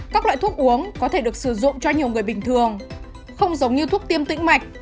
các loại thuốc uống có thể được sử dụng cho nhiều người bình thường không giống như thuốc tiêm tĩnh mạch